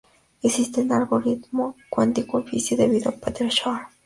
Existe un algoritmo cuántico eficiente debido a Peter Shor.